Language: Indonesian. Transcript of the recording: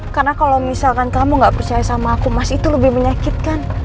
karena kalau misalkan kamu gak percaya sama aku mas itu lebih menyakitkan